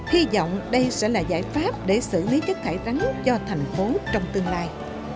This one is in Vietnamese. hy vọng đây sẽ là giải pháp để xử lý chất thải rắn cho thành phố trong tương lai